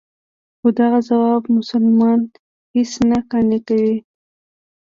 خو دغه ځواب مسلمانان هېڅ نه قانع کوي.